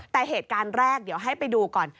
แต่เหตุการณ์แรกเดี๋ยวให้ไปดูก่อน